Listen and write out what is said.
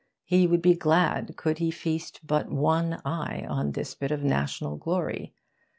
He would be glad could he feast but one eye on this bit of national glory.